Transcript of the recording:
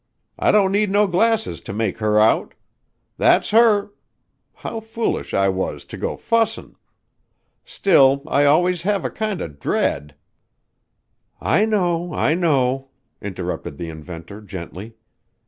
"I don't need no glasses to make her out. That's her! How foolish I was to go fussin'. Still, I always have a kind of dread " "I know, I know," interrupted the inventor gently.